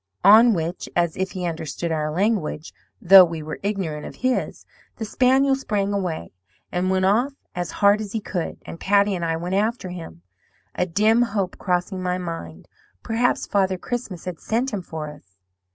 "On which (as if he understood our language, though we were ignorant of his) the spaniel sprang away, and went off as hard as he could; and Patty and I went after him, a dim hope crossing my mind 'Perhaps Father Christmas has sent him for us.'